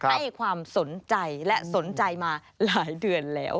ให้ความสนใจและสนใจมาหลายเดือนแล้ว